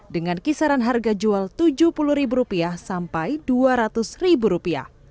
dengan kisaran harga jual rp tujuh puluh sampai rp dua ratus